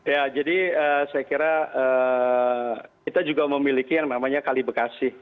ya jadi saya kira kita juga memiliki yang namanya kali bekasi